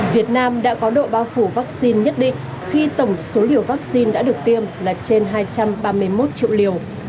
việt nam đã có độ bao phủ vaccine nhất định khi tổng số liều vaccine đã được tiêm là trên hai trăm ba mươi một triệu liều